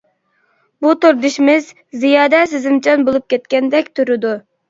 بۇ توردىشىمىز زىيادە سېزىمچان بولۇپ كەتكەندەك تۇرىدۇ.